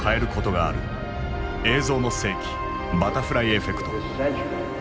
「映像の世紀バタフライエフェクト」。